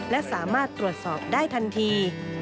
และสามารถตรวจสอบได้ทันที